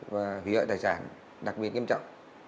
và hủy hợi tài sản đặc biệt kiêm trọng